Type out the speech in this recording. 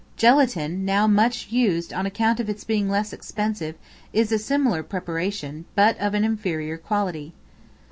Gelatine, now much used on account of its being less expensive, is a similar preparation, but of an inferior quality.